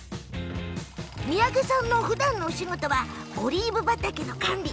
三宅さんのふだんのお仕事はオリーブ畑の管理。